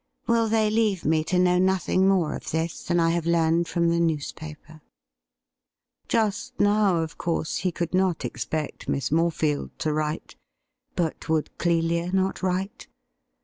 ' Will they leave me to know nothing more of this than I have learned from the news paper ?' Just now, of course, he could not expect Miss Morefield to write ; but would Clelia not write